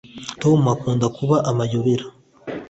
tom akunda kuba amayobera